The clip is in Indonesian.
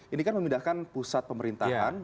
ini kan memindahkan pusat pemerintahan